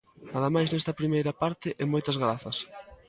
Nada máis nesta primeira parte e moitas grazas.